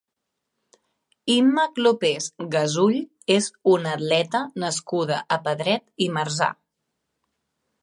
Imma Clopés Gasull és una atleta nascuda a Pedret i Marzà.